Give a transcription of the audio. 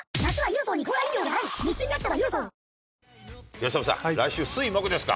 由伸さん、来週、水木ですか。